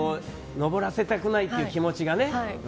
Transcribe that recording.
登らせたくないという気持ちがね。